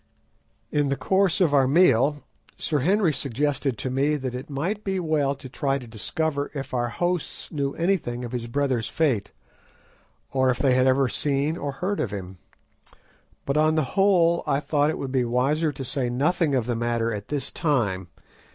In the course of our meal Sir Henry suggested to me that it might be well to try to discover if our hosts knew anything of his brother's fate, or if they had ever seen or heard of him; but, on the whole, I thought that it would be wiser to say nothing of the matter at this time.